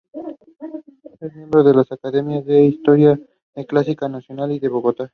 Es miembro de las Academias de Historia Eclesiástica Nacional y de Bogotá.